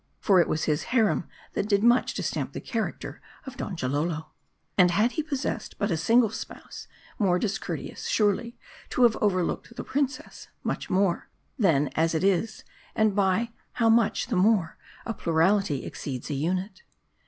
For it was his harem that did much to stamp the character of Dgnjalolo. And had he possessed but a single spouse, most discour teous, surely, to have overlooked the princess ; much more, then, as it is ; and by how much the more, a plurality ex ceeds a unit.